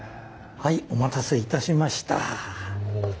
はいお待たせいたしました。